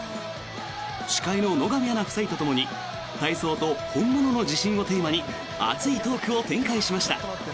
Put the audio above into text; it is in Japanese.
司会の野上アナ夫妻とともに体操と、本物の自信をテーマに熱いトークを展開しました。